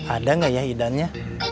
ada gak ya idannya